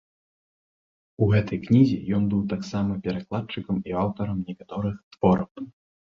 У гэтай кнізе ён быў таксама перакладчыкам і аўтарам некаторых твораў.